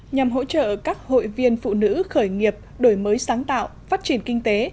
nhằm hỗ trợ các hội viên phụ nữ khởi nghiệp đổi mới sáng tạo phát triển kinh tế